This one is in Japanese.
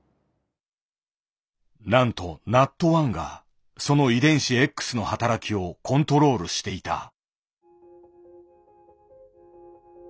なんとＮＡＴ１がその遺伝子Ｘの働きをコントロールしていた。